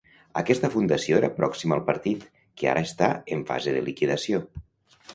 Aquesta fundació era pròxima al partit, que ara està en fase de liquidació.